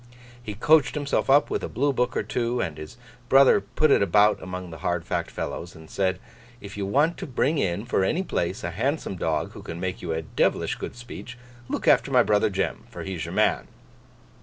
He coached himself up with a blue book or two; and his brother put it about among the hard Fact fellows, and said, 'If you want to bring in, for any place, a handsome dog who can make you a devilish good speech, look after my brother Jem, for he's your man.